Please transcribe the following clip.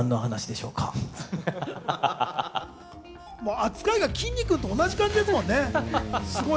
扱いがきんに君と同じですもんね。